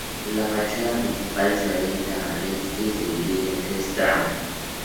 La fachada principal se orienta al este y se divide en tres tramos.